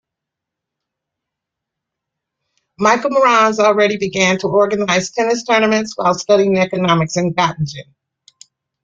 Michael Mronz already began to organise tennis tournaments while studying Economics in Gottingen.